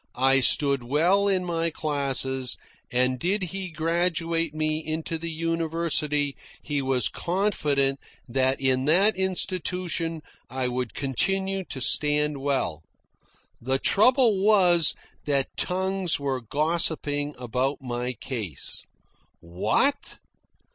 I stood well in my classes, and did he graduate me into the university he was confident that in that institution I would continue to stand well. The trouble was that tongues were gossiping about my case. What!